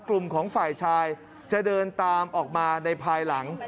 กลุ่มของฝ่ายชายจะเดินตามออกมาในภายหลัง